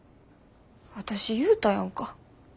私言うたやんか。